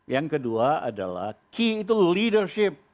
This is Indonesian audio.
yang kedua adalah key itu leadership